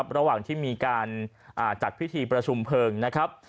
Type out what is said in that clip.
ระหว่างที่มีการจัดพิธีประชุมเพลิงนะครับ